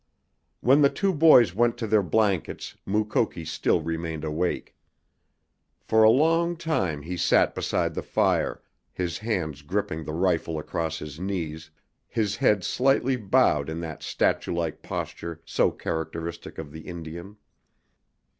When the two boys went to their blankets Mukoki still remained awake. For a long time he sat beside the fire, his hands gripping the rifle across his knees, his head slightly bowed in that statue like posture so characteristic of the Indian.